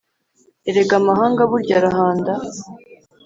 erega amahanga burya arahanda